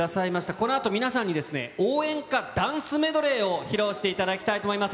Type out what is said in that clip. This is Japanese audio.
このあと、皆さんにですね、応援歌ダンスメドレーを披露していただきたいと思います。